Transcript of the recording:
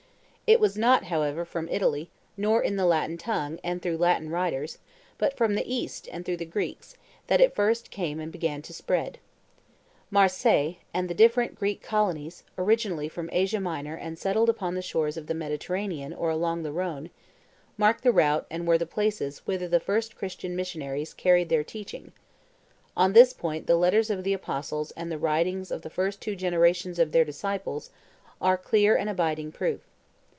It was not, however, from Italy, nor in the Latin tongue and through Latin writers, but from the East and through the Greeks, that it first came and began to spread. Marseilles and the different Greek colonies, originally from Asia Minor and settled upon the shores of the Mediterranean or along the Rhone, mark the route and were the places whither the first Christian missionaries carried their teaching: on this point the letters of the Apostles and the writings of the first two generations of their disciples are clear and abiding proof.